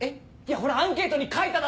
ほらアンケートに書いただろ？